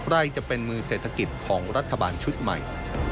ใครจะเป็นมือเศรษฐกิจของรัฐบาลชุดใหม่